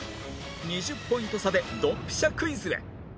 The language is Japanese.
２０ポイント差でドンピシャクイズへ